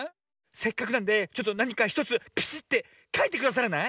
せっかくなんでちょっとなにか１つピシッてかいてくださらない？